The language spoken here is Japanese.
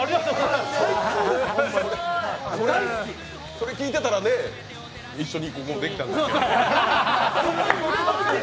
それ聞いてたら一緒にここでできたんだけど。